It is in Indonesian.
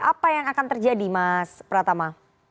apa yang akan terjadi mas pratama